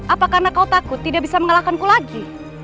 apa karena kau takut tidak bisa mengalahkanku lagi